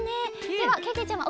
ではけけちゃま。